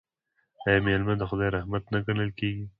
آیا میلمه د خدای رحمت نه ګڼل کیږي؟